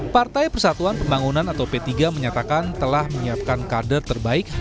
partai persatuan pembangunan atau p tiga menyatakan telah menyiapkan kader terbaik